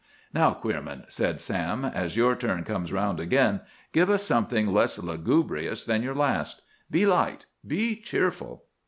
"Now, Queerman," said Sam, "as your turn comes round again, give us something less lugubrious than your last. Be light; be cheerful!"